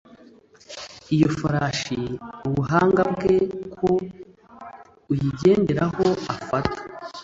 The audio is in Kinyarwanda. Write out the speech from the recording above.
Iyo farashi ubuhanga bwe ku uyigenderaho afata